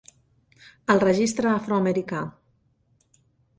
"El Registre Afroamericà".